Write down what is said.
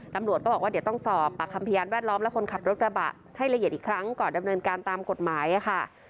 ตำรวจก็บอกว่าเดี๋ยวต้องสอบปากคำพยานแวดล้อมและคนขับรถกระบะให้ละเอียดอีกครั้งก่อนดำเนินการตามกฎหมายค่ะ